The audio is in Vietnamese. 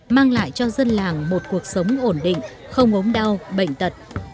mang lại cho dân làng một cuộc sống ổn định không ốm đau bệnh tật